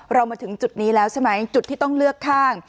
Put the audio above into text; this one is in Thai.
มาถึงจุดนี้แล้วใช่ไหมจุดที่ต้องเลือกข้าง